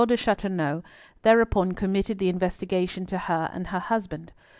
de Chateauneuf thereupon committed the investigation to her and her husband.